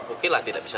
oke lah tidak bisa